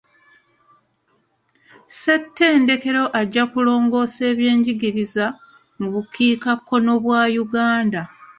Ssetendekero ajja kulongoosa eby'enjigiriza mu bukiikakkono bwa Uganda.